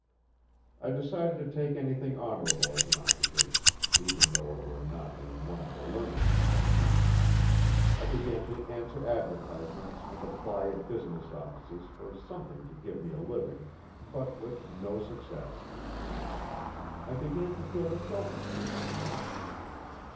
I decided to take anything honourable as an occupation, even though it were not in one of the learned professions. I began to answer advertisements and apply at business offices for something to give me a living, but with no success. I began to feel the selfishness of men.